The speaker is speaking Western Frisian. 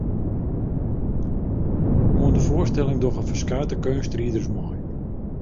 Oan de foarstelling dogge ferskate keunstriders mei.